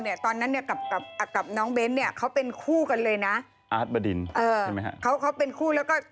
รู้สึกจะเป็นลูกสาวนะ